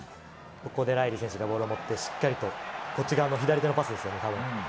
ここでライリー選手がボールを持ってしっかりと、こっち側の左手のパスですよね、たぶん。